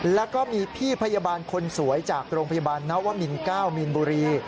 แล้วก็มีพี่พยาบาลคนสวยจากโรงพยาบาลนวมิน๙มีนบุรี